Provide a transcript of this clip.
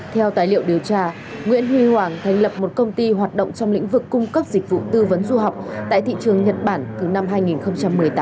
theo tài liệu điều tra nguyễn huy hoàng thành lập một công ty hoạt động trong lĩnh vực cung cấp dịch vụ tư vấn du học tại thị trường nhật bản từ năm hai nghìn một mươi tám